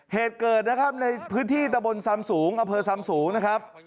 เหตุเกิดในพืชที่ตะบนซำสูงอาเภอสำสูงนะครับ